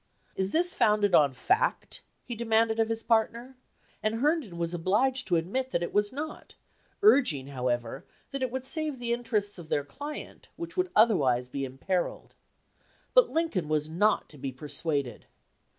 "Is this founded on fact?" he demanded of his partner, and Hern don was obliged to admit that it was not, urging, however, that it would save the interests of their client, which would otherwise be imperiled. But Lincoln was not to be persuaded.